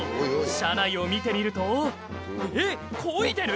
車内を見てみるとえっこいでる？